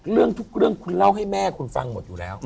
ทุกเรื่องคุณเล่าให้แม่คุณฟังหมดอยู่แล้ว